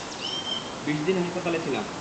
বিশদিন হাসপাতালে ছিলাম।